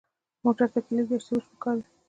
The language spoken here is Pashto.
موټر ته کلید یا سوئچ پکار وي.